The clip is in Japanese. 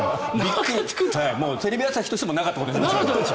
もうテレビ朝日としてもなかったことにしたい。